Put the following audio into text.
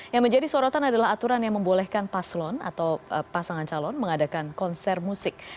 yang menjadi sorotan adalah aturan yang membolehkan paslon atau pasangan calon mengadakan konser musik